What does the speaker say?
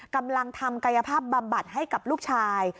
กำลังทำกายภาพบำบัดให้กับลูกชาย